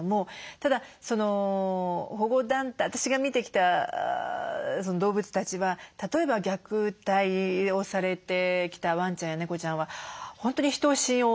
ただ私が見てきた動物たちは例えば虐待をされてきたワンちゃんや猫ちゃんは本当に人を信用できない。